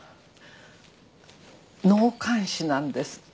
納棺師なんですって？